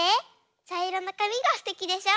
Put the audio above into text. ちゃいろのかみがすてきでしょ？